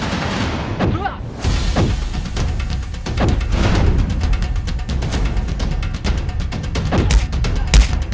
aku sudah s putus